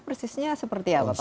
persisnya seperti apa pak